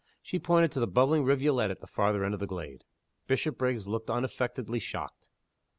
She pointed to the bubbling rivulet at the farther end of the glade. Bishopriggs looked unaffectedly shocked.